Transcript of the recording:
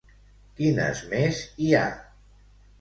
Quines més hi ha?